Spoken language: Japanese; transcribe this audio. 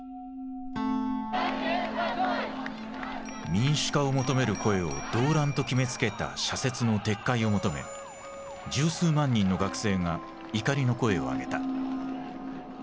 民主化を求める声を「動乱」と決めつけた社説の撤回を求め十数万人の学生が怒りの声を上げた。